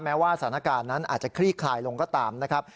แม้ว่าสถานการณ์นั้นอาจจะคลี่คลายลงก็ตามนะครับ